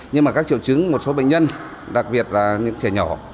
nhưng mà các triệu chứng một số bệnh nhân đặc biệt là những trẻ nhỏ